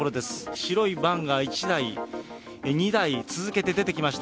白いバンが１台、２台、続けて出てきました。